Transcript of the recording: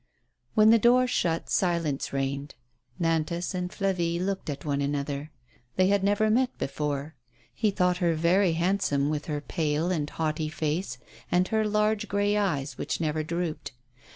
When the door shut silence reigned. Nantas and Flavie looked at one another. They had never met before. He thought her very handsome, with her pale and haughty face, and her large gray eyes which never drooped.